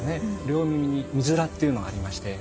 両耳に美豆良っていうのがありまして。